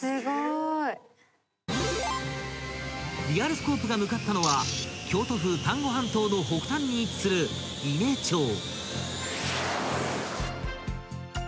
［リアルスコープが向かったのは京都府丹後半島の北端に位置する伊根町］